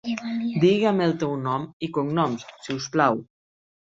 Diga'm el teu nom i cognoms, si us plau.